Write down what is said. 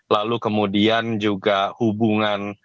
lalu kemudian juga hubungan